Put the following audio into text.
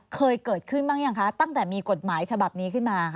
เคยเกิดขึ้นบ้างยังคะตั้งแต่มีกฎหมายฉบับนี้ขึ้นมา